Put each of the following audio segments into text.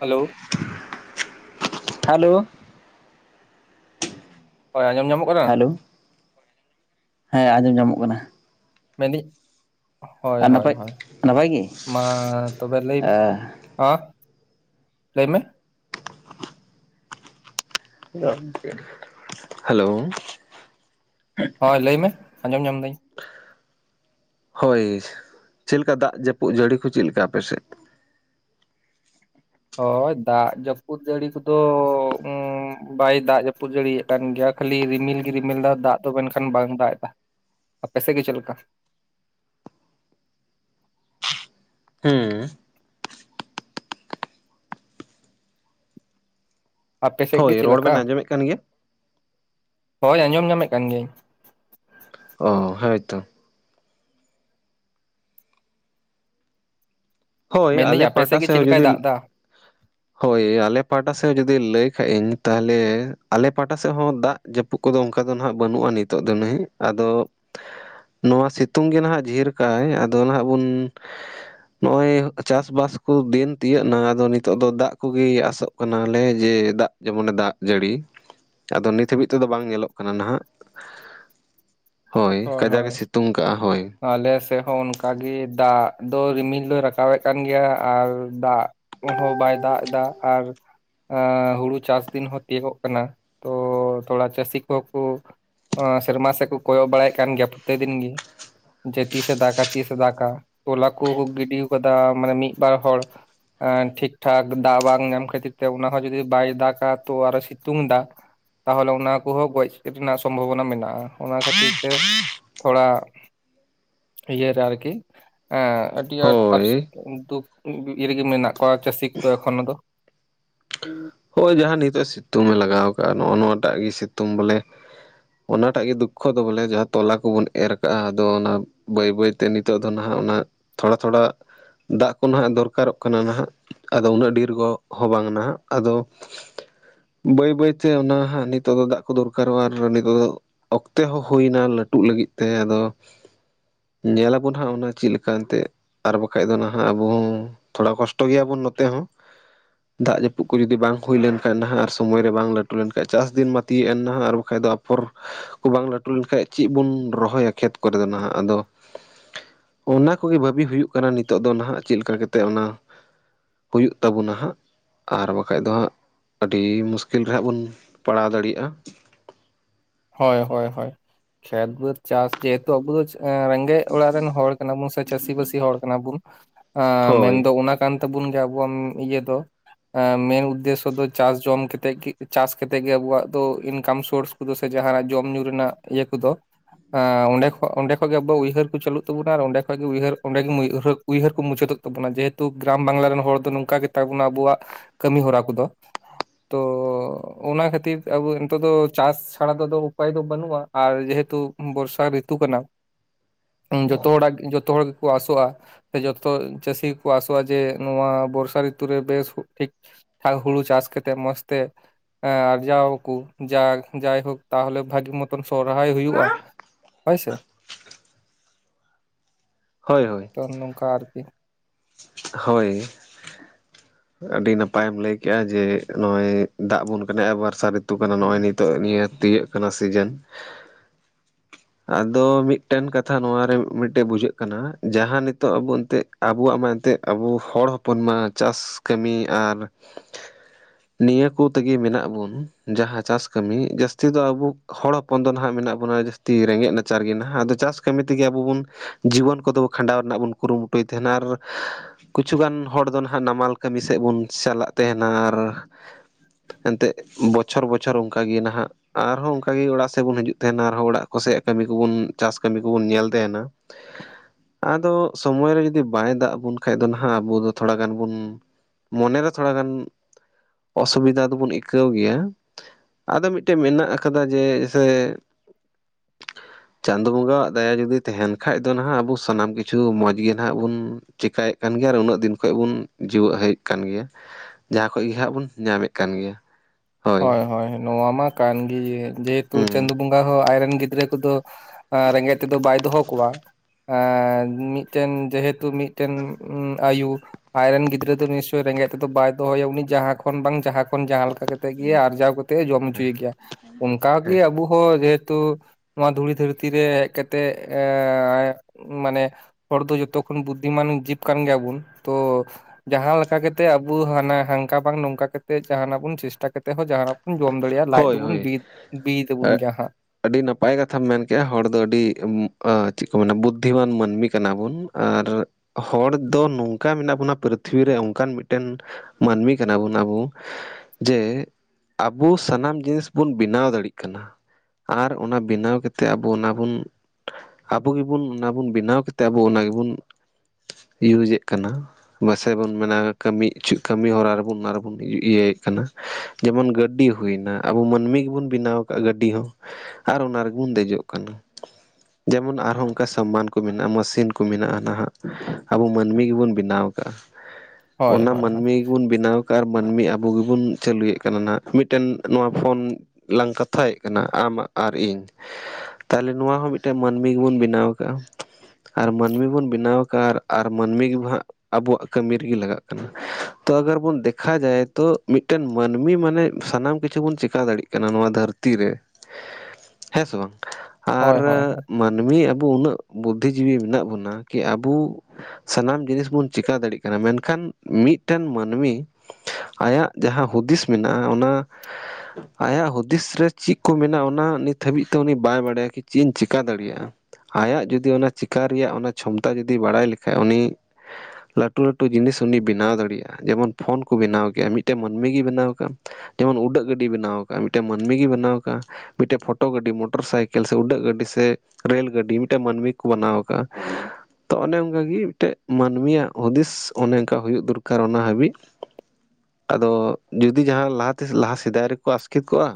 Hello hello ᱦᱳᱸᱚᱢ ᱧᱟᱢᱚᱜ ᱠᱟᱱᱟ ᱦᱮᱞᱳ ᱦᱮᱸ ᱟᱸᱡᱚᱢ ᱧᱟᱢᱚᱜ ᱠᱟᱱᱟ᱾ ᱢᱮᱱᱮᱫ ᱦᱳᱭ ᱟᱨ ᱦᱳᱭ, ᱱᱟᱯᱟᱭ ᱱᱟᱯᱟᱭ ᱜᱮ ᱢᱟ ᱛᱚᱵᱮ ᱞᱟᱹᱭᱢ ᱦᱟᱸ ᱞᱟᱹᱭ ᱢᱮ ᱦᱮᱞᱳ ᱦᱳᱭ ᱞᱟᱹᱭ ᱢᱮ ᱟᱸᱡᱚᱢ ᱧᱟᱢᱫᱟᱹᱧ᱾ ᱦᱳᱭ ᱪᱮᱫᱞᱮᱠᱟ ᱫᱟᱜ ᱡᱟᱹᱯᱩᱫ ᱡᱟᱹᱲᱤ ᱠᱚ ᱪᱮᱫᱞᱮᱠᱟ ᱟᱯᱮ ᱥᱮᱫ? ᱦᱳᱭ ᱫᱟᱜ ᱡᱟᱹᱯᱩᱫ ᱡᱟᱹᱲᱤ ᱠᱚᱫᱚ ᱵᱟᱭ ᱫᱟᱜ ᱡᱟᱹᱯᱩᱫ ᱡᱟᱹᱲᱤ ᱠᱟᱱ ᱜᱮᱭᱟ ᱠᱷᱟᱹᱞᱤ ᱨᱤᱢᱤᱞ ᱜᱮ ᱨᱤᱢᱤᱞᱫᱟ ᱫᱟᱜ ᱫᱚ ᱢᱮᱱᱠᱷᱟᱱ ᱵᱟᱝ ᱫᱟᱜ ᱮᱫᱟ᱾ ᱟᱯᱮᱥᱮᱜ ᱜᱮ ᱪᱮᱫ ᱞᱮᱠᱟ? ᱦᱩᱸ ᱟᱯᱮ ᱥᱮᱫ ᱜᱮ ᱦᱳᱭ ᱪᱮᱫ ᱨᱚᱲ ᱞᱮᱠᱟ? ᱵᱮᱱ ᱟᱸᱡᱚᱢᱮᱫ ᱠᱟᱱ ᱜᱮᱭᱟ ᱦᱳᱭ ᱟᱸᱡᱚᱢ ᱧᱟᱢᱮᱫ ᱠᱟᱱ ᱜᱤᱭᱟᱹᱧ᱾ ᱚ ᱦᱭᱛᱳ ᱦᱳᱭ ᱢᱮᱱᱫᱟᱹᱧ ᱟᱞᱮ ᱟᱯᱮ ᱥᱮᱫ ᱯᱟᱦᱴᱟ ᱜᱮ ᱪᱮᱫ ᱦᱚᱸ ᱞᱮᱠᱟᱭ ᱡᱩᱫᱤ ᱫᱟᱜᱽ ᱫᱟ? ᱦᱳᱭ ᱟᱞᱮ ᱯᱟᱦᱴᱟ ᱥᱮᱫ ᱡᱩᱫᱤ ᱞᱟᱹᱭ ᱠᱷᱟᱡ ᱤᱧ ᱛᱟᱦᱚᱞᱮ ᱟᱞᱮ ᱯᱟᱦᱴᱟ ᱥᱮᱫ ᱦᱚᱸ ᱫᱟᱜ ᱡᱟᱹᱯᱩᱫ ᱠᱚᱫᱚ ᱚᱱᱠᱟ ᱫᱚ ᱦᱟᱸᱜ ᱵᱟᱹᱱᱩᱜᱼᱟ ᱱᱤᱛᱚᱜ ᱫᱚ ᱱᱟᱤᱡ ᱟᱫᱚ ᱱᱚᱣᱟ ᱥᱤᱛᱩᱝ ᱜᱮ ᱱᱟᱦᱟᱸᱜ ᱡᱷᱤᱨ ᱠᱟᱜ ᱟᱭ ᱟᱫᱚ ᱱᱟᱦᱟᱸᱜ ᱵᱚᱱ ᱱᱚᱜᱼᱚᱭ ᱪᱟᱥᱵᱥ ᱠᱚ ᱫᱤᱱ ᱛᱤᱭᱟᱹᱜ ᱮᱱᱟ ᱟᱫᱚ ᱱᱤᱛᱚᱜ ᱫᱚ ᱫᱟᱜ ᱠᱚᱜᱮ ᱟᱥᱚᱜ ᱠᱟᱱᱟᱞᱮ ᱡᱮ ᱫᱟᱜ ᱡᱮᱢᱚᱱᱮ ᱫᱟᱜ ᱡᱟᱹᱲᱤ ᱟᱫᱚ ᱱᱤᱛ ᱦᱟᱹᱵᱤᱡ ᱛᱮᱫᱚ ᱵᱟᱝ ᱧᱮᱞᱚᱜ ᱠᱟᱱᱟ ᱱᱟᱦᱟᱜ ᱦᱳᱭ ᱠᱟᱡᱟᱠ ᱜᱮ ᱥᱤᱛᱩᱝ ᱠᱟᱜᱼᱟ ᱦᱳᱭ ᱟᱞᱮ ᱥᱮᱫ ᱦᱚᱸ ᱚᱱᱠᱟᱜ ᱜᱮ ᱫᱟᱜ ᱫᱚ ᱨᱤᱢᱤᱞ ᱞᱮ ᱨᱟᱠᱟᱵᱮᱫ ᱠᱟᱱ ᱜᱮᱭᱟ ᱟᱨ ᱫᱟᱜ ᱦᱚᱸ ᱵᱟᱭ ᱫᱟᱜ ᱮᱫᱟ ᱟᱨ ᱟ ᱦᱩᱲᱩ ᱪᱟᱥ ᱫᱤᱱ ᱦᱚᱸ ᱛᱤᱭᱳᱜᱚᱜ ᱠᱟᱱᱟ ᱛᱚ ᱛᱷᱚᱲᱟ ᱪᱟᱹᱥᱤ ᱠᱚᱦᱚᱸ ᱠᱚ ᱚ ᱥᱮᱨᱢᱟ ᱥᱮᱫ ᱠᱚ ᱠᱚᱭᱚᱜ ᱵᱟᱲᱟᱭᱮᱫ ᱠᱟᱱ ᱜᱮᱭᱟ ᱯᱚᱛᱮ ᱫᱤᱱ ᱜᱮ ᱡᱮ ᱛᱤᱥᱮ ᱫᱟᱠᱟ ᱛ ᱥᱮᱮ ᱫᱟᱠᱟ ᱛᱚᱞᱟ ᱠᱚ ᱜᱤᱰᱤ ᱟᱠᱟᱫᱟ ᱢᱟᱱᱮ ᱢᱤᱫ ᱵᱟᱨ ᱦᱚᱲ ᱴᱷᱤᱠ ᱴᱷᱟᱠ ᱫᱟᱜ ᱵᱟᱝ ᱧᱟᱢ ᱠᱷᱟᱹᱛᱤᱨ ᱛᱮ ᱚᱱᱟ ᱦᱚᱸᱚᱸ ᱡᱩᱫᱤ ᱵᱟᱭ ᱫᱟᱜᱟ ᱛᱚ ᱟᱨᱚ [unintelligible] ᱛᱩᱝ ᱮᱫᱟ ᱛᱟᱦᱚᱞᱮ ᱚᱱᱟ ᱠᱚᱦᱚᱸ ᱜᱚᱡ ᱨᱮᱱᱟᱜ ᱥᱚᱢᱵᱷᱚᱵᱚᱱᱟ ᱢᱮᱱᱟᱜᱼᱟ ᱚᱱᱟ ᱠᱷᱟᱹᱛᱤᱨ ᱛᱮ ᱛᱷᱚᱲᱟ ᱤᱡᱮᱨᱟ ᱨᱮ ᱟᱨᱠᱤ ᱦᱮᱸ ᱟᱹᱰᱤ ᱟᱸᱴ ᱦᱳᱭ [unintelligible] ᱫᱩ [unintelligible] ᱨᱮᱜᱮ ᱢᱮᱱᱟᱜ ᱠᱚᱣᱟ ᱪᱟᱹᱥᱤ ᱠᱚᱫᱚ ᱮᱠᱷᱚᱱᱳ ᱫᱚ ᱦᱚᱜᱼᱭ ᱡᱟᱦᱟᱸ ᱱᱤᱛᱚᱜᱜ ᱥᱤᱛᱩᱝᱮ ᱞᱟᱜᱟᱣ ᱟᱠᱟᱫ ᱱᱚᱜᱼᱚ ᱱᱚᱣᱟᱴᱟᱜ ᱜᱮ ᱥᱤᱛᱩᱝ ᱵᱚᱞᱮ ᱚᱱᱟᱴᱟᱜ ᱜᱮ ᱫᱩᱠᱠᱷᱚ ᱫᱚ ᱵᱚᱞᱮ ᱡᱟᱦᱟᱸ ᱛᱚᱞᱟ ᱠᱚᱵᱚᱱ ᱮᱨ ᱠᱟᱜᱼᱟ ᱟᱫᱚ ᱚᱱᱟ ᱵᱟᱹᱭ ᱵᱟᱹᱭᱛᱮ ᱱᱤᱛᱚᱜ ᱫᱚ ᱱᱟᱦᱟᱜ ᱚᱱᱟ ᱛᱷᱚᱲᱟ ᱛᱷᱚᱲᱟ ᱫᱟᱜ ᱠᱚ ᱱᱟᱦᱟᱜ ᱫᱚᱨᱠᱟᱨᱚᱜ ᱠᱟᱱᱟ ᱱᱟᱦᱟᱜ ᱟᱫᱚ ᱩᱱᱟᱹᱜ ᱰᱷᱮᱨ ᱜᱚ ᱦᱚᱸ ᱵᱟᱝ ᱱᱟᱦᱟᱜ ᱟᱫᱚ ᱵᱟᱹᱭ ᱵᱟᱹᱭᱛᱮ ᱚᱱᱟ ᱦᱟᱸᱜ ᱱᱤᱛᱳᱜ ᱫᱚ ᱫᱟᱜ ᱠᱚᱫᱚ ᱫᱚᱨᱠᱟᱨᱚᱜᱼᱟ ᱟᱨ ᱱᱤᱛᱳᱜ ᱫᱚ ᱚᱠᱛᱮ ᱦᱚᱸ ᱦᱩᱭᱱᱟ ᱞᱟᱹᱴᱩᱜ ᱞᱟᱹᱜᱤᱫ ᱛᱮ ᱟᱫᱚ ᱧᱮᱞᱞᱟᱵᱚᱱ ᱦᱟᱸᱜ ᱚᱱᱟ ᱪᱮᱫ ᱞᱮᱠᱟ ᱮᱱᱛᱮᱜ ᱟᱨ ᱵᱟᱠᱷᱟᱡ ᱫᱚ ᱱᱟᱦᱟᱜ ᱟᱵᱚ ᱦᱚᱸ ᱛᱷᱚᱲᱟ ᱠᱚᱥᱴᱚ ᱜᱮᱭᱟᱵᱚᱱ ᱱᱚᱛᱮ ᱦᱚᱸ ᱫᱟᱜ ᱡᱟᱹᱯᱩᱫ ᱠᱚ ᱡᱩᱫᱤ ᱵᱟᱝ ᱦᱩᱭ ᱞᱮᱱᱠᱷᱟᱱᱡ ᱱᱟᱦ ᱟᱨ ᱥᱚᱢᱚᱭ ᱨᱮ ᱵᱟᱝ ᱞᱟᱹᱴᱩ ᱞᱮᱱᱠᱷᱟᱡ ᱪᱟᱥ ᱫᱤᱱ ᱢᱟᱛᱤᱭᱳᱱ ᱱᱟ ᱟᱨ ᱵᱟᱠᱟᱡ ᱫᱚ ᱟᱯᱚᱨ [unintelligible] ᱵᱟᱝ ᱞᱟᱹᱴᱩ ᱞᱮᱱᱠᱷᱷᱟ ᱪᱮᱫ ᱵᱚᱱ ᱨᱚᱦᱚᱭᱟ ᱠᱷᱮᱛ ᱠᱚᱨᱮ ᱫᱚ ᱱᱟᱦᱟᱜ ᱟᱫᱚ ᱚᱱᱟ ᱠᱚᱜᱮ ᱵᱷᱟᱹᱵᱤ ᱦᱩᱭᱩᱜ ᱠᱟᱱᱟ ᱱᱤᱛᱚᱜ ᱫᱚ ᱱᱟᱦᱟᱜ ᱪᱮᱫ ᱞᱮᱠᱟ ᱠᱟᱛᱮᱜ ᱚᱱᱟ ᱦᱩᱭᱩᱜ ᱛᱟᱵᱚᱱᱟ ᱦᱟᱸᱜ ᱟᱨ ᱵᱟᱠᱷᱟᱡ ᱫᱚ ᱟᱹᱰᱤ ᱢᱩᱥᱠᱤᱞ ᱨᱮᱦᱟᱸᱜ ᱵᱚᱱ ᱯᱟᱲᱟᱳ ᱫᱟᱲᱮᱭᱟᱜᱼᱟ ᱦᱭ ᱦᱭ ᱦᱭ ᱠᱷᱮᱛ ᱵᱟᱛ ᱪᱟᱥ ᱡᱮᱦᱮᱛᱩᱵ ᱨᱮᱸᱜᱮᱡ ᱚᱲᱟᱜ ᱨᱮᱱ ᱦᱚᱲ ᱠᱟᱱᱟᱵᱩᱱ ᱥᱮ ᱪᱟᱹᱥᱤ ᱵᱟᱟᱹᱥᱤ ᱦᱚᱲ ᱠᱟᱱᱟ ᱵᱩᱱ ᱟ ᱦᱳᱭ ᱢᱮᱱᱫᱚ ᱚᱱᱟ ᱠᱟᱱ ᱛᱟᱵᱚᱱ ᱜᱮᱭᱟ ᱟᱵᱚᱣᱟᱜ ᱤᱭᱟᱹ ᱫᱚ ᱢᱮᱱ ᱩᱫᱽᱫᱮᱥᱥᱚ ᱫᱚ ᱪᱟᱥ ᱡᱚᱢ ᱠᱟᱛᱮᱜᱮ ᱪᱟᱥ ᱠᱟᱛᱮᱮᱫ ᱜᱮ ᱟᱵᱚᱣᱟᱜ ᱫᱚ ᱤᱱᱠᱟᱢ ᱥᱳᱨᱥ ᱠᱚᱫᱚ ᱥᱮ ᱡᱟᱦᱱᱟᱜ ᱡᱚᱢ ᱧᱩ ᱨᱮᱱᱟᱜ ᱤᱭᱟᱹ ᱠᱚᱫᱚ ᱟ ᱚᱸᱰᱮ ᱠᱷᱚᱱ ᱚᱸᱰᱮ ᱠᱷᱚᱡ ᱜᱮ ᱟᱵᱚᱣᱟᱜ ᱩᱭᱦᱟᱹᱨ ᱠᱚ ᱪᱟᱹᱞᱩᱜ ᱛᱟᱵᱚᱱᱟ ᱟᱨ ᱚᱸᱰᱮ ᱠᱷᱚᱡ ᱜᱮ ᱩᱭᱦᱟᱹᱨ ᱚᱸᱰᱮ ᱜᱮ ᱩᱭᱦᱟᱹᱨ-ᱟ ᱩᱭᱦᱟᱹᱨ ᱠᱚ ᱢᱩᱪᱟᱹᱫᱚᱜ ᱛᱟᱵᱚᱱᱟ ᱡᱮᱦᱮᱛᱩ ᱜᱮᱨᱟᱢ ᱵᱟᱝᱞᱟ ᱨᱮᱱ ᱦᱚᱲ ᱫᱚ ᱱᱚᱝᱠᱟ ᱜᱮᱛᱟᱵᱚᱱᱟ ᱟᱵᱚᱣᱟᱜ ᱠᱟᱹᱢᱤ ᱦᱚᱨᱟ ᱠᱚᱫᱚ ᱛᱚ ᱚᱱᱟ ᱠᱷᱟᱹᱛᱤᱨ ᱟᱵᱚ ᱱᱤᱛᱚᱜ ᱫᱚ ᱪᱟᱥ [unintelligible] ᱟ ᱪᱟᱲᱟ ᱛᱮᱫᱚ ᱩᱯᱟᱭ ᱫᱚ ᱵᱟᱹᱱᱩᱜᱼᱟ ᱟᱨ ᱡᱮᱦᱮᱛᱩ ᱵᱚᱨᱥᱟ ᱨᱤᱛᱩ ᱠᱟᱱᱟ ᱡᱚᱛ ᱦᱚᱲᱟᱜ ᱡᱚᱛ ᱦᱚᱲ [unintelligible] ᱠᱚ ᱟᱥᱚᱜᱼᱟ ᱡᱚᱛᱚ ᱪᱟᱹᱥᱤᱠᱚ ᱟᱥᱚᱜᱼᱟ ᱡᱮ ᱱᱚᱣᱟ ᱵᱚᱨᱥᱟ ᱨᱤᱛᱩ ᱨᱮ ᱵᱮᱥ ᱴᱷᱤᱠ ᱦᱩᱲᱩ ᱪᱟᱥ ᱠᱟᱛᱮᱜ ᱢᱚᱸᱡᱽ ᱛᱮ ᱟᱨᱡᱟᱳ ᱟᱠᱚ ᱡᱟ ᱡᱟᱭᱦᱳᱠ ᱛᱟᱦᱚᱞᱮ ᱵᱷᱟᱹᱜᱤ ᱢᱚᱛᱚᱱ ᱥᱚᱨᱦᱟᱭ ᱦᱩᱭᱩᱜᱼᱟ ᱦᱳᱭᱥᱮ ᱦᱳᱭ ᱦᱳᱭ ᱛ ᱱᱚᱝᱠᱟ ᱟᱨᱠᱤ ᱦᱳᱭ ᱟᱹᱰᱤ ᱱᱟᱯᱟᱭᱮᱢ ᱞᱟᱹᱭ ᱠᱮᱫᱼᱟ ᱡᱮ ᱱᱚᱜ ᱚᱚᱭ ᱫᱟᱜ ᱵᱚᱱ ᱠᱟᱱᱟ ᱵᱚᱨᱥᱟ ᱨᱤᱛᱩ ᱠᱟᱱᱟ ᱱᱚᱜ ᱚᱚᱭ ᱱᱤᱛᱚᱜ ᱱᱤᱭᱟᱹ ᱛᱤᱭ ᱠᱟᱱᱟ ᱥᱤᱡᱮᱱ ᱟᱫᱚ ᱢᱤᱫᱴᱮᱱ ᱠᱟᱛᱷᱟ ᱱᱚᱣᱟ ᱨᱮ ᱢᱤᱫᱴᱮᱱ ᱵᱩᱡᱷᱟᱹᱜ ᱠᱟᱱᱟ ᱡᱟᱦᱟᱸ ᱱᱤᱛᱚᱜ ᱟᱵᱚ ᱮᱱᱛᱮᱫ ᱟᱵᱚᱣᱟᱜ ᱢᱟ ᱢᱱᱛᱮᱫ ᱟᱵᱚ ᱦᱚᱲ ᱦᱚᱯᱚᱱ ᱢᱟ ᱪᱟᱥ ᱠᱟᱹᱢᱤ ᱟᱨ ᱱᱤᱭᱟᱹ ᱠᱚ ᱛᱮᱜᱮ ᱢᱮᱱᱟᱜ ᱵᱩᱱ ᱡᱟᱦᱟᱸ ᱪᱟᱥ ᱠᱟᱹᱢᱤ ᱡᱟᱹᱥᱛᱤ ᱫᱚ ᱟᱵᱚ ᱦᱚᱲ ᱦᱚᱯᱚᱱ ᱫᱚ ᱱᱟᱦᱟᱜ ᱢᱮᱱᱟᱜ ᱵᱚᱱᱟ ᱡᱟᱹᱥ ᱛᱤ ᱨᱮᱸᱜᱮᱡ ᱱᱟᱪᱟᱨ ᱜᱮ ᱱᱟᱦᱟᱜ, ᱟᱫᱚ ᱪᱟᱥ ᱠᱟᱹᱢᱤ ᱛᱮᱜᱮ ᱟᱵᱚ ᱵᱚᱱ ᱡᱤᱭᱚᱱ ᱠᱚᱫᱚ ᱠᱷᱟᱸᱰᱟᱣ ᱨᱮᱱᱟᱜ ᱵᱚᱱ ᱠᱩᱨᱩᱢᱩᱴᱩᱭ ᱛᱟᱦᱮᱱᱟ ᱾ ᱟᱨ ᱠᱤᱪᱷᱩᱩᱜᱟᱱ ᱦᱚᱲ ᱫᱚ ᱱᱟᱦᱟᱸᱜ ᱱᱟᱢᱟᱞ ᱠᱟᱹᱢᱤ ᱥᱮᱫ ᱵᱚᱱ ᱪᱟᱞᱟᱜ ᱛᱟᱦᱮᱱᱟ, ᱟᱨ ᱮᱱᱛᱮᱜ ᱵᱚᱪᱷᱚᱨ ᱵᱚᱪᱷᱚᱨ ᱚᱱᱠᱟ ᱜᱮ ᱱᱟᱦᱟᱜ ᱟᱨᱦᱚᱸ ᱚᱱᱠᱟᱜ ᱜᱮ ᱚᱲᱟᱜ ᱥᱮᱫ ᱵᱚᱱ ᱦᱤᱡᱩᱜ ᱛᱟᱦᱮᱱᱟ ᱟᱨᱦᱚᱸ ᱚᱲᱟᱜ ᱠᱚᱥᱮ-ᱟᱜ ᱠᱟᱹᱢᱤ ᱠᱚᱵᱚᱱ ᱪᱟᱥ ᱠᱟᱹᱢᱤ ᱠᱚᱵᱚᱱ ᱧᱮᱞ ᱛᱟᱦᱮᱱᱟ ᱾ ᱟᱫᱚ ᱥᱚᱢᱚᱭ ᱨᱮ ᱡᱩᱫᱤ ᱵᱟᱭ ᱫᱟᱜ ᱟᱵᱚᱱ ᱠᱷᱟᱡ ᱫᱚ ᱱᱟᱦᱟᱸᱜ ᱟᱵᱚ ᱫᱚ ᱛᱷᱚᱲᱟ ᱜᱟᱱ ᱵᱚᱱ ᱢᱚᱱᱮ ᱨᱮ ᱛᱷᱚᱲᱟ ᱜᱟᱱ ᱚᱥᱩᱵᱤᱫᱟ ᱫᱚᱵᱚᱱ ᱟᱹᱭᱠᱟᱹᱣ ᱜᱮᱭᱟ ᱾ ᱟᱫᱚ ᱢᱤᱫᱴᱮᱱ ᱢᱮᱱᱟᱜ ᱟᱠᱟᱫᱟ ᱡᱮ ᱥᱮ ᱪᱟᱸᱫᱚ ᱵᱚᱸᱜᱟᱣᱟᱜ ᱫᱟᱭᱟ ᱡᱩᱫᱤ ᱛᱟᱦᱮᱱ ᱠᱷᱟᱡ ᱫᱚ ᱱᱟᱦᱜ ᱟᱵᱚ ᱥᱟᱱᱟᱢ ᱠᱤᱪᱷᱩ ᱢᱚᱡᱽ ᱜᱮ ᱱᱟᱦᱜ ᱵᱚᱱ ᱪᱮᱠᱟᱭᱮᱫ ᱠᱟᱱ ᱜᱮᱭᱟ ᱟᱨ ᱩᱱᱟᱹᱜ ᱫᱤᱱ ᱠᱷᱚᱱ ᱵᱚᱱ ᱡᱤᱣᱮᱫ ᱦᱮᱡ ᱠᱟᱱ ᱜᱮᱭᱟ ᱾ ᱡᱟᱦᱟᱸ ᱠᱷᱚᱡ ᱜᱮ ᱦᱟᱸᱜ ᱵᱚᱱ ᱧᱟᱢᱮᱫ ᱠᱟᱱ ᱜᱮᱭᱟ ᱾ ᱦᱳᱭ ᱦᱳᱭ, ᱱᱚᱣᱟ ᱢᱟ ᱠᱟᱱ ᱜᱮ, ᱡᱮᱦᱮᱛᱩ ᱦᱩᱸ ᱪᱟᱸᱫᱩ ᱵᱚᱸᱜᱟ ᱦᱚᱸ ᱟᱡ ᱨᱮᱱ ᱜᱤᱫᱽᱨᱟᱹ ᱠᱚᱫᱚ ᱟᱨ ᱨᱮᱸᱜᱮᱡ ᱛᱮ ᱫᱚ ᱵᱟᱭ ᱫᱚᱦᱚ ᱠᱚᱣᱟ ᱾ ᱟᱸ ᱢᱤᱫᱴᱮᱱ ᱡᱮᱦᱮᱛᱩ ᱢᱤᱫᱴᱮᱱ ᱟᱭᱩ ᱟᱡ ᱨᱮᱱ ᱜᱤᱫᱽᱨᱟᱹ ᱫᱚ ᱱᱤᱥᱪᱭ ᱨᱮᱸᱜᱮᱡ ᱛᱮᱫᱚ ᱵᱟᱭ ᱫᱚᱦᱚᱭᱟ ᱩᱱᱤ ᱡᱟᱦᱟᱸ ᱠᱷᱚᱱ ᱵᱟᱝ ᱡᱟᱦᱟᱸ ᱠᱷᱚᱱ ᱡᱟᱦᱟᱸ ᱞᱮᱠᱟ ᱠᱟᱛᱮ ᱜᱮ ᱟᱨᱡᱟᱣ ᱠᱟᱛᱮ ᱡᱚᱢ ᱦᱚᱪᱚᱭᱮ ᱜᱮᱭᱟ, ᱚᱱᱠᱟ ᱜᱮ ᱦᱮᱸ ᱟᱵᱚ ᱦᱚᱸ ᱡᱮᱦᱮᱛᱩ ᱱᱚᱣᱟ ᱫᱷᱩᱲᱤ ᱫᱷᱟᱹᱨᱛᱤ ᱨᱮ ᱦᱮᱡ ᱠᱟᱛᱮ ᱮ ᱢᱟᱱᱮ ᱦᱚᱲ ᱫᱚ ᱡᱚᱛᱚ ᱠᱷᱚᱱ ᱵᱩᱫᱽᱫᱷᱤᱢᱟᱱ ᱡᱤᱵ ᱠᱟᱱ ᱜᱮᱭᱟᱵᱚᱱ ᱛᱚ ᱾ ᱡᱟᱦᱟᱸ ᱞᱮᱠᱟ ᱠᱟᱛᱮ ᱟᱵᱚ ᱦᱟᱱᱟ ᱦᱟᱱᱠᱟ ᱵᱟᱝ ᱱᱚᱝᱠᱟ ᱠᱟᱛᱮ ᱡᱟᱦᱟᱸᱱᱟᱜ ᱵᱩᱱ ᱪᱮᱥᱴᱟ ᱠᱟᱛᱮ ᱦᱚᱸ ᱡᱟᱦᱟᱸᱱᱟᱜ ᱵᱚᱱ ᱡᱚᱢ ᱫᱟᱲᱮᱭᱟᱜᱼᱟ ᱞᱟᱡ ᱦᱳᱭ ᱫᱚᱵᱚᱱ ᱦᱳᱭ ᱵᱤ ᱵᱤᱭ ᱛᱟᱵᱚᱱ ᱜᱮᱭᱟ ᱦᱟᱸᱜ ᱾ ᱟᱹᱰᱤ ᱱᱟᱯᱟᱭ ᱠᱟᱛᱷᱟᱢ ᱢᱮᱱ ᱠᱮᱜᱼᱟ, ᱦᱚᱲ ᱫᱚ ᱟᱹᱰᱤ ᱪᱮᱫ ᱠᱚ ᱢᱮᱱᱟ ᱵᱩᱫᱽᱫᱷᱤᱢᱟᱱ ᱢᱟᱹᱱᱢᱤ ᱠᱟᱱᱟ ᱵᱚᱱ, ᱟᱨ ᱦᱚᱲ ᱫᱚ ᱱᱚᱝᱠᱟ ᱢᱮᱱᱟᱜ ᱵᱚᱱᱟ ᱯᱨᱤᱛᱤᱵᱤ ᱨᱮ ᱚᱱᱠᱟᱱ ᱢᱤᱫᱴᱮᱱ ᱢᱟᱹᱱᱢᱤ ᱠᱟᱱᱟᱵᱚᱱ ᱟᱵᱚ, ᱡᱮ ᱟᱵᱚ ᱥᱟᱱᱟᱢ ᱡᱤᱱᱤᱥ ᱵᱩᱱ ᱵᱮᱱᱟᱣ ᱫᱟᱲᱮᱭᱟᱜ ᱠᱟᱱᱟ ᱾ ᱟᱨ ᱚᱱᱟ ᱵᱮᱱᱟᱣ ᱠᱟᱛᱮ ᱟᱵᱚ ᱚᱱᱟ ᱵᱚᱱ ᱟᱵᱚ ᱜᱮᱵᱚᱱ ᱚᱱᱟ ᱵᱚᱱ ᱵᱮᱱᱟᱣ ᱠᱟᱛᱮᱫ ᱟᱵᱚ ᱚᱱᱟ ᱜᱮᱵᱚᱱ ᱤᱭᱩᱡᱮᱜ ᱠᱟᱱᱟ ᱾ ᱯᱟᱥᱮᱡ ᱵᱚᱱ ᱢᱮᱱᱟ ᱠᱟᱹᱢᱤ ᱩᱪᱩ ᱠᱟᱹᱢᱤ ᱦᱚᱨᱟ ᱚᱱᱟ ᱨᱮᱵᱚᱱ ᱤᱭᱟᱹᱭᱮᱫ ᱠᱟᱱᱟ ᱾ᱡᱮᱢᱚᱱ ᱜᱟᱹ ᱜᱟᱹᱰᱤ ᱦᱩᱭᱱᱟ, ᱟᱵᱚ ᱢᱟᱹᱱᱢᱤ ᱜᱮᱵᱚᱱ ᱵᱮᱱᱟᱣ ᱠᱟᱜ ᱜᱟᱹᱰᱤ ᱦᱚᱸ ᱟᱨ ᱚᱱᱟ ᱨᱮᱜᱮᱵᱚᱱ ᱫᱮᱡᱚᱜ ᱠᱟᱱᱟ ᱾ [inaudible] ᱡᱮᱢᱚᱱ ᱟᱨᱦᱚᱸ ᱚᱱᱠᱟ ᱥᱟᱢᱟᱱ ᱠᱚ ᱢᱮᱱᱟᱜᱼᱟ, ᱢᱮᱥᱤᱱ ᱠᱚ ᱢᱮᱱᱟᱜᱼᱟ ᱱᱟᱦᱟᱜ ᱟᱵᱚ ᱢᱟᱹᱱᱢᱤ ᱜᱮᱵᱚᱱ ᱵᱮᱱᱟᱣ ᱠᱟᱫ-ᱟ ᱾ [inaudible] ᱚᱱᱟ ᱦᱳᱭ ᱦᱳᱭ ᱢᱟᱹᱱᱢᱤ ᱜᱮᱵᱩᱱ ᱵᱮᱱᱟᱣ ᱟᱠᱟᱜ ᱟᱨ ᱢᱟᱹᱱᱢᱤ ᱟᱵᱚ ᱜᱮᱵᱩᱱ ᱪᱟᱹᱞᱩᱭᱮᱫ ᱠᱟᱱᱟ ᱱᱟᱜ ᱾ ᱢᱤᱫᱴᱮᱱ ᱱᱚᱣᱟ ᱯᱷᱳᱱ ᱞᱟᱝ ᱠᱟᱛᱷᱟᱭᱮᱫ ᱠᱟᱱᱟ ᱟᱢᱟᱜ ᱟᱨ ᱤᱧ ᱾ ᱛᱟᱦᱞᱮ ᱱᱚᱣᱟ ᱦᱚᱸ ᱢᱤᱫᱴᱮᱱ ᱢᱟᱹᱱᱢᱤ ᱜᱮᱵᱩᱱ ᱵᱮᱱᱟᱣ ᱟᱠᱟᱜᱼᱟ ᱾ ᱟᱨ ᱢᱟᱹᱱᱢᱤ ᱵᱚᱱ ᱵᱮᱱᱟᱣ ᱟᱠᱟᱫ-ᱟ ᱟᱨ ᱢᱟᱹᱱᱢᱤ ᱜᱮᱵᱚ ᱦᱟᱸᱜ ᱟᱵᱚᱣᱟᱜ ᱠᱟᱹᱢᱤ ᱨᱮᱜᱮ ᱞᱟᱜᱟᱜ ᱠᱟᱱᱟ ᱾ ᱛᱚ ᱟᱜᱟᱨ ᱵᱚᱱ ᱫᱮᱠᱷᱟ ᱡᱟᱭ ᱛᱚ ᱢᱤᱫᱴᱮᱱ ᱢᱟᱹᱱᱢᱤ ᱢᱟᱱᱮ ᱥᱟᱱᱟᱢ ᱠᱤᱪᱷᱩ ᱵᱚᱱ ᱪᱮᱠᱟ ᱫᱟᱲᱮ ᱠᱟᱱᱟ ᱱᱚᱣᱟ ᱫᱷᱟᱹᱨᱛᱤ ᱨᱮ, ᱦᱮᱸ ᱥᱮ ᱵᱟᱝ? ᱟᱨ ᱦᱳᱭ ᱦᱳᱭ ᱦᱳᱭ ᱢᱟᱹᱱᱢᱤ ᱟᱵᱚ ᱩᱱᱟᱹᱜ ᱵᱩᱫᱽᱫᱷᱤ ᱡᱤᱵᱤ ᱢᱮᱱᱟᱜ ᱵᱚᱱᱟ ᱠᱤ ᱟᱵᱚ ᱥᱟᱱᱟᱢ ᱡᱤᱱᱤᱥ ᱵᱚᱱ ᱪᱤᱠᱟ ᱫᱟᱲᱮ ᱠᱟᱱᱟ, ᱢᱮᱱᱠᱷᱟᱱ ᱢᱤᱫᱴᱮᱱ ᱢᱟᱹᱱᱢᱤ ᱟᱭᱟᱜ ᱡᱟᱦᱟᱸ ᱦᱩᱫᱤᱥ ᱢᱮᱱᱟᱜᱼᱟ ᱚᱱᱟ ᱟᱭᱟᱜ ᱦᱩᱫᱤᱥ ᱨᱮ ᱪᱮᱫ ᱠᱚ ᱢᱮᱱᱟᱜ ᱚᱱᱟ ᱱᱤᱛ ᱦᱟᱹᱵᱤᱡ ᱛᱮ ᱩᱱᱤ ᱵᱟᱭ ᱵᱟᱲᱟᱭᱟ ᱠᱤ ᱪᱮᱫ ᱤᱧ ᱪᱮᱠᱟ ᱫᱟᱲᱮᱭᱟᱜᱼᱟ ᱾ ᱟᱭᱟᱜ ᱡᱩᱫᱤ ᱚᱱᱟ ᱪᱤᱠᱟ ᱨᱮᱭᱟᱜ ᱚᱱᱟ ᱪᱷᱚᱢᱚᱛᱟ ᱡᱩᱫᱤ ᱵᱟᱲᱟᱭ ᱞᱮᱠᱷᱟᱡ, ᱩᱱᱤ ᱞᱟᱹᱴᱩ ᱞᱟᱹᱴᱩ ᱡᱤᱱᱤᱥ ᱩᱱᱤ ᱵᱮᱱᱟᱣ ᱫᱟᱲᱮᱭᱟᱜᱼᱟ ᱾ ᱡᱮᱢᱚᱱ ᱯᱷᱳᱱ ᱠᱚ ᱵᱮᱱᱟᱣ ᱠᱮᱜᱼᱟ ᱢᱤᱫᱴᱮᱱ ᱢᱟᱹᱱᱢᱤ ᱜᱮᱭ ᱵᱮᱱᱟᱣ ᱠᱟᱜᱼᱟ ᱾ ᱡᱮᱢᱚᱱ ᱩᱰᱟᱹᱜ ᱜᱟᱹᱰᱤ ᱵᱮᱱᱟᱣ ᱟᱠᱟᱜ-ᱟ, ᱢᱤᱫᱴᱮᱱ ᱢᱟᱹᱱᱢᱤ ᱜᱮᱭ ᱵᱮᱱᱟᱣ ᱟᱠᱟᱜᱼᱟ ᱾ ᱢᱤᱫᱴᱮᱜ ᱯᱷᱳᱴᱳ ᱜᱟᱹᱰᱤ, ᱢᱚᱴᱚᱨ ᱥᱟᱭᱠᱮᱞ, ᱥᱮ ᱩᱰᱟᱹᱜ ᱜᱟᱹᱰᱤ ᱥᱮ ᱨᱮᱹᱞ ᱜᱟᱹᱰᱤ ᱢᱤᱫᱴᱮᱱ ᱢᱟᱹᱱᱢᱤ ᱠᱚ ᱵᱮᱱᱟᱣ ᱠᱟᱜᱼᱟ ᱾ ᱛᱚ ᱚᱱᱮ ᱚᱱᱠᱟ ᱜᱮ ᱢᱤᱫᱴᱮᱱ ᱢᱟᱹᱱᱢᱤᱭᱟᱜ ᱦᱩᱫᱤᱥ ᱚᱱᱮ ᱚᱱᱠᱟ ᱦᱩᱭᱩᱜ ᱫᱚᱨᱠᱟᱨ ᱚᱱᱟ ᱦᱟᱹᱵᱤᱡ ᱾ ᱟᱫᱚ ᱡᱩᱫᱤ ᱡᱟᱦᱟᱸ ᱞᱟᱦᱟ ᱛᱮ ᱞᱟᱦᱟ ᱥᱮᱫᱟᱭ ᱨᱮᱠᱚ ᱟᱥᱠᱮᱛ ᱠᱚᱜᱼᱟ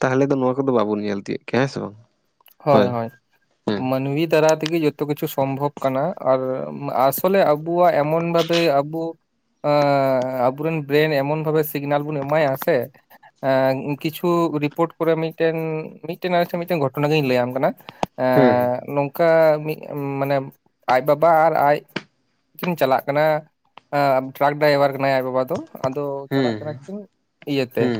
ᱛᱟᱦᱚᱞᱮ ᱫᱚ ᱱᱚᱣᱟ ᱠᱚᱫᱚ ᱵᱟᱵᱚᱱ ᱧᱮᱞ ᱛᱤᱭᱳ ᱠᱮᱭᱟ ᱾ ᱦᱮᱸ ᱥᱮ ᱵᱟᱝ? ᱦᱳᱭ ᱦᱳᱭ ᱦᱮᱸ ᱾ ᱢᱟᱹᱱᱢᱤ ᱫᱟᱨᱟ ᱛᱮᱜᱮ ᱡᱚᱛᱚ ᱠᱤᱪᱷᱩ ᱥᱚᱢᱵᱷᱚᱵ ᱠᱟᱱᱟ ᱟᱨ ᱟᱥᱚᱞᱮ ᱟᱵᱚᱣᱟᱜ ᱮᱢᱚᱱ ᱵᱷᱟᱵᱮ ᱟᱵᱚ ᱟᱵᱚᱨᱮᱱ ᱵᱨᱮᱱ ᱮᱢᱚᱱ ᱵᱷᱟᱵᱮ ᱥᱤᱜᱽᱱᱟᱞ ᱵᱚᱱ ᱮᱢᱟᱭᱟ ᱥᱮ, ᱠᱤᱪᱷᱩ ᱨᱤᱯᱳᱨᱴ ᱠᱚᱨᱮ ᱢᱤᱫᱴᱮᱱ ᱢᱤᱫᱴᱮᱱ ᱟᱞᱮ ᱴᱷᱮᱱ ᱱᱢᱤᱫᱴᱮᱱ ᱜᱷᱚᱴᱚᱱᱟ ᱜᱤᱧ ᱞᱟᱹᱭᱟᱢ ᱠᱟᱱᱟ, ᱮᱻ ᱦᱮᱸ ᱱᱚᱝ ᱠᱟ ᱢᱤᱫ ᱢᱟᱱᱮ ᱟᱡ ᱵᱟᱵᱟ ᱟᱨ ᱟᱡ, ᱠᱤᱱ ᱪᱟᱞᱟᱜ ᱠᱟᱱᱟ, ᱴᱨᱟᱠ ᱰᱟᱭᱵᱷᱟᱨ ᱠᱟᱱᱟᱭ ᱟᱡ ᱵᱟᱵᱟ ᱫᱚ ᱟᱫᱚ ᱦᱮᱸ ᱪᱟᱞᱟᱜ ᱠᱟᱱᱟ ᱠᱤᱱ ᱤᱭᱟᱹᱛᱮ, ᱦᱮᱸ